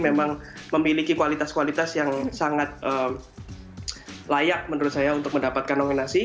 memang memiliki kualitas kualitas yang sangat layak menurut saya untuk mendapatkan nominasi